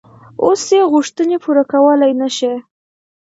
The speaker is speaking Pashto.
اوس یې غوښتنې پوره کولای نه شي.